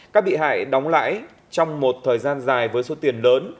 các bị hại đóng lãi trong một thời gian dài với số tiền lớn